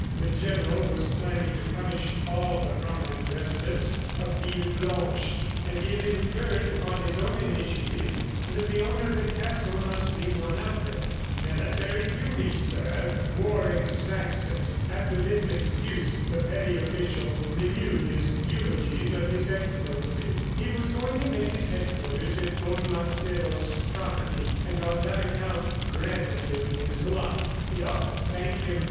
The General was planning to punish all the prominent residents of Villeblanche, and he had inferred, on his own initiative, that the owner of the castle must be one of them. "Military duty, sir. ... War exacts it." After this excuse the petty official renewed his eulogies of His Excellency. He was going to make his headquarters in Don Marcelo's property, and on that account granted him his life. He ought to thank him.